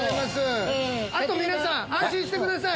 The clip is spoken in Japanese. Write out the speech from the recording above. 皆さん安心してください。